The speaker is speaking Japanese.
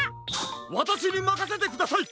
わたしにまかせてください！